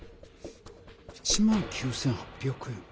１９８００円か。